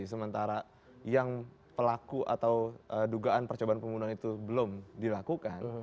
sementara yang pelaku atau dugaan percobaan pembunuhan itu belum dilakukan